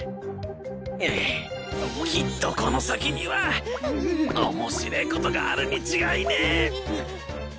うっきっとこの先には面白えことがあるに違いねえ。